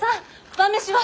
晩飯は？